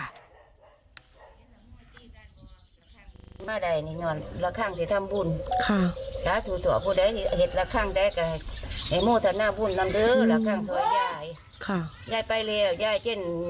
นี่แหละค่ะคุณยายก็เล่าให้ฟังนะคะว่าเกิดอะไรขึ้น